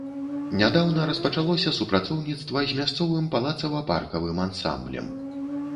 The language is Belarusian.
Нядаўна распачалося супрацоўніцтва з мясцовым палацава-паркавым ансамблем.